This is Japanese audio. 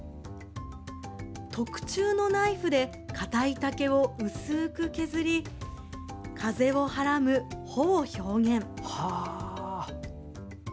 特注のナイフでかたい竹を薄く削り風をはらむ帆を表現。